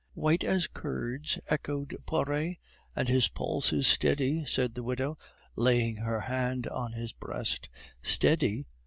"White as curds?" echoed Poiret. "And his pulse is steady," said the widow, laying her hand on his breast. "Steady?"